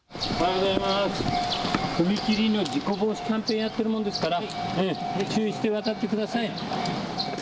踏切の事故防止キャンペーンやっているもんですから注意して渡ってください。